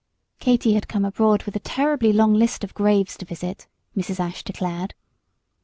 Katy had come abroad with a terribly long list of graves to visit, Mrs. Ashe declared.